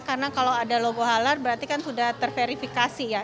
karena kalau ada logo halal berarti kan sudah terverifikasi ya